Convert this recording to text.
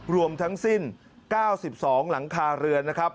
รวมทั้งสิ้น๙๒หลังคาเรือนนะครับ